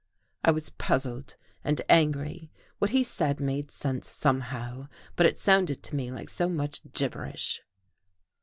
I was puzzled and angry. What he said made sense somehow, but it sounded to me like so much gibberish.